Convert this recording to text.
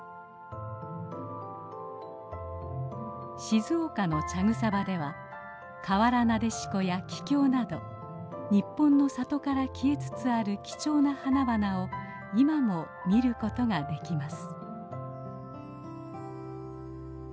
静岡の茶草場ではカワラナデシコやキキョウなど日本の里から消えつつある貴重な花々を今も見ることができます。